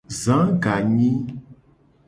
Za ganyi.